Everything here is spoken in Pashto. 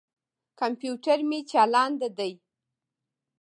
کمپیوټر مې چالاند دي.